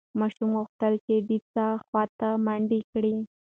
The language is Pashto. ماشوم غوښتل چې د څاه خواته منډه کړي.